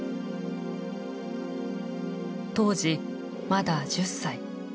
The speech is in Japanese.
当時まだ１０歳。